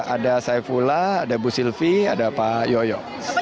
ada saifullah ada bu sylvi ada pak yoyo